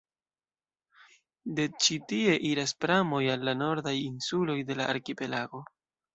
De ĉi tie iras pramoj al la nordaj insuloj de la arkipelago.